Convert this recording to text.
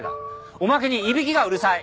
おまけにいびきがうるさい。